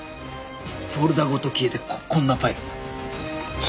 フォルダごと消えてここんなファイルが。